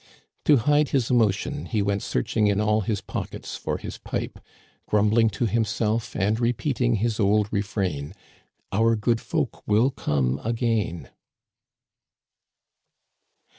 To hide his emotion, he went searching in all his pockets for his pipe, grumbling to himself and repeating his old refrain :" Our good folk will come again."